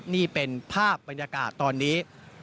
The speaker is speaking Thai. นี่เป็นภาพบรรยากาศตอนนี้